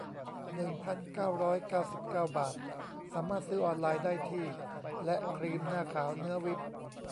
หนึ่งพันเก้าร้อยเก้าสิบเก้า บาท สามารถซื้อออนไลน์ได้ที่ และ ครีมหน้าขาวเนื้อวิป